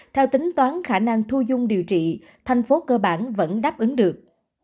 theo tính toán khả năng thu dung điều trị thành phố cơ bản vẫn đáp ứng được